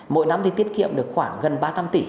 mỗi năm thì tiết kiệm được khoảng gần ba trăm linh tỷ